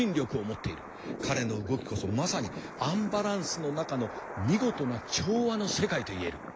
彼の動きこそまさにアンバランスの中の見事な調和の世界と言える。